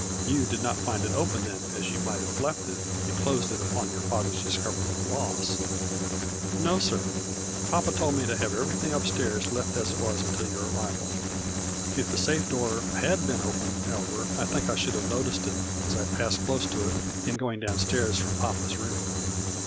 You did not find it open then, as you might have left it, and closed it upon your fathers discovery of the loss ?"" No, sir. Papa told me to have everything up stairs left as it was until your arrival. If the safe door had been open, however, I think A FLURRY IN DIAMONDS. 43 I should have noticed it, as I passed close to it in going down stairs from papa's room."